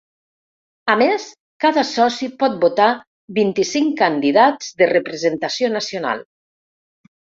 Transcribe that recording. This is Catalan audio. A més, cada soci pot votar vint-i-cinc candidats de representació nacional.